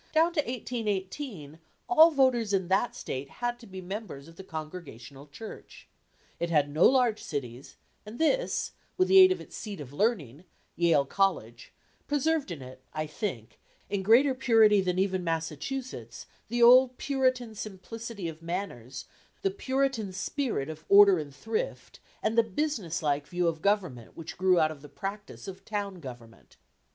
Down to 1818 all voters in that State had to be members of the Congregational Church. It had no large cities, and this, with the aid of its seat of learning, Yale College, preserved in it, I think, in greater purity than even Massachusetts, the old Puritan simplicity of manners, the Puritan spirit of order and thrift, and the business like view of government which grew out of the practice of town government.